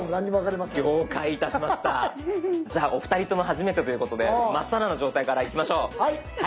じゃあお二人とも初めてということで真っさらの状態からいきましょう。